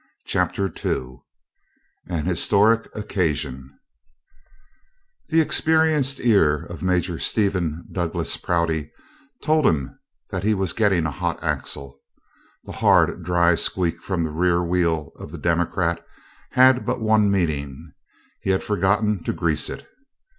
'" CHAPTER II AN HISTORIC OCCASION The experienced ear of Major Stephen Douglas Prouty told him that he was getting a hot axle. The hard dry squeak from the rear wheel of the "democrat" had but one meaning he had forgotten to grease it.